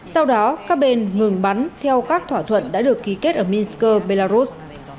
sau đó các bên ngừng bắn theo các thỏa thuận đã được ký kết ở minsk belarus